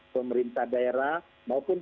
pemerintah daerah maupun